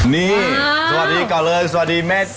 นี่สวัสดีก่อนเลยสวัสดีเมส